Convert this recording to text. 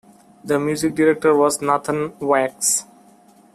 The music director was Nathan Waks.